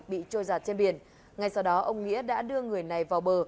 bị trôi giặt trên biển ngay sau đó ông nghĩa đã đưa người này vào bờ